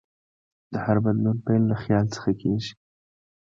د هر بدلون پیل له خیال څخه کېږي.